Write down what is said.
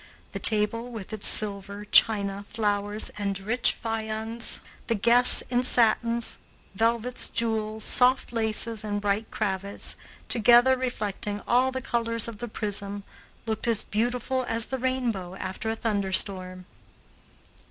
The table, with its silver, china, flowers, and rich viands, the guests in satins, velvets, jewels, soft laces, and bright cravats, together reflecting all the colors of the prism, looked as beautiful as the rainbow after a thunderstorm.